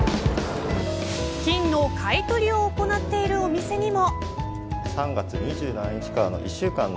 金の買い取りを行っているお店にも。